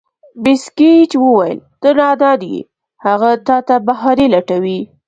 مېس ګېج وویل: ته نادان یې، هغه تا ته بهانې لټوي.